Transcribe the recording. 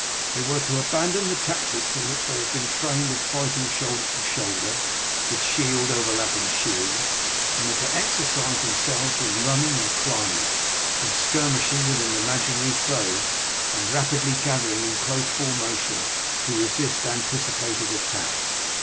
They were to abandon the tactics in which they had been trained of fighting shoulder to shoulder, with shield overlapping shield, and were to exercise themselves in running and climbing, in skirmishing with an imaginary foe, and rapidly gathering in close formation to resist anticipated attack.